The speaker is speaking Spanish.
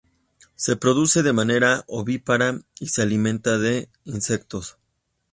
Se reproduce de manera ovípara y se alimenta de insectos.